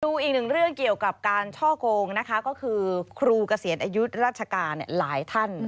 อีกหนึ่งเรื่องเกี่ยวกับการช่อกงนะคะก็คือครูเกษียณอายุราชการหลายท่าน